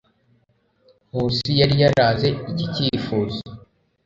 Nkusi yari yaranze iki cyifuzo,